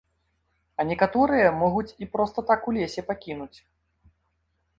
А некаторыя могуць і проста так у лесе пакінуць.